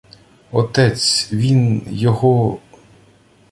— Отець... він... Його...